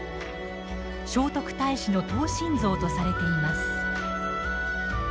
聖徳太子の等身像とされています。